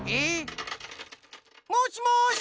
もしもし！